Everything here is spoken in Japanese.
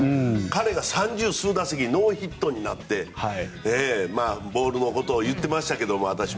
彼が三十数打席ノーヒットになってボールのことを言ってましたけど。